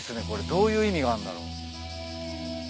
どういう意味があるんだろう。